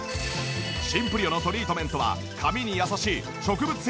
シンプリオのトリートメントは髪に優しい植物性